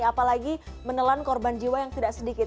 apalagi menelan korban jiwa yang tidak sedikit